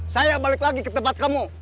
saya balik lagi ke tempat kamu